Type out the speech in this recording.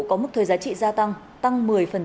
có mức thuê giá trị gia tăng tăng một mươi